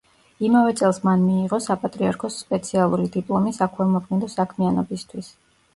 იმავე წელს მან მიიღო საპატრიარქოს სპეციალური დიპლომი საქველმოქმედო საქმიანობისთვის.